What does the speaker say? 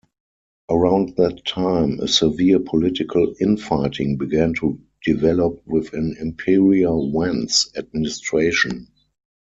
Around that time, a severe political infighting began to develop within Emperor Wen's administration.